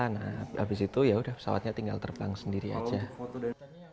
nah abis itu ya sudah pesawatnya tinggal terbang sendiri saja